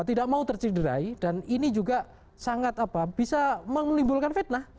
tidak mau tercederai dan ini juga sangat bisa menimbulkan fitnah